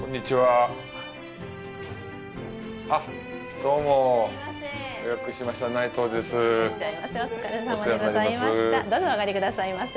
どうぞ、お上がりくださいませ。